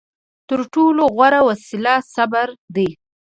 تر ټولو غوره وسله صبر دی.